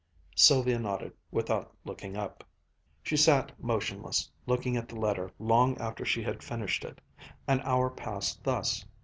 Sylvia nodded without looking up. She sat motionless, looking at the letter long after she had finished it. An hour passed thus.